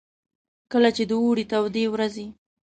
کله چې د اوړې تودې ورځې.